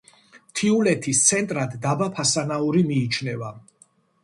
მთიულეთის ცენტრად დაბა ფასანაური მიიჩნევა.